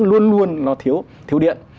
luôn luôn lo thiếu thiếu điện